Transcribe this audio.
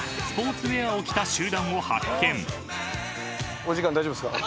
お時間大丈夫っすか？